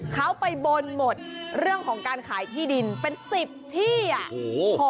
เขาไปบนหมดเรื่องของการขายที่ดินเป็น๑๐ที่อ่ะ